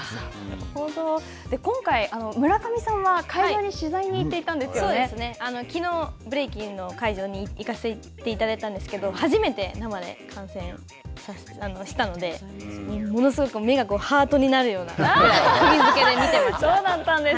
今回、村上さんは、会場に取材きのうブレイキンの会場に行かせていただいたんですけど、初めて生で観戦したので、ものすごく目がハートになるような、くぎづけで見ていました。